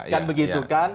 kan begitu kan